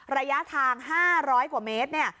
ระยะทาง๕๐๐กว่าเมตรเนี่ย